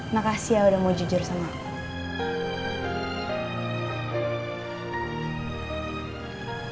makasih ya udah mau jujur sama aku